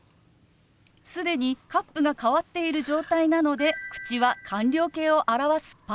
既にカップが変わっている状態なので口は完了形を表す「パ」。